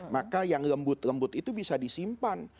maka yang lembut lembut itu bisa disimpan